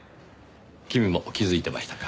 君も気づいてましたか。